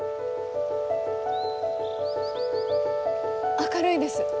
明るいです。